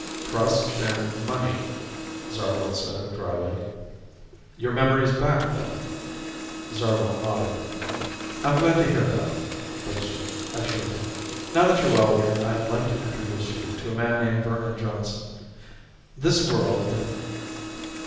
"Trust and money," Zarwell said drily. "Your memory's back then?" Zarwell nodded. "I'm glad to hear that," Bergstrom assured him. "Now that you're well again I'd like to introduce you to a man named Vernon Johnson. This world